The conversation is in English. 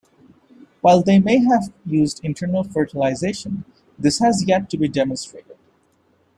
While they may have used internal fertilization, this has yet to be demonstrated.